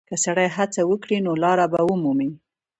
که سړی هڅه وکړي، نو لاره به ومومي.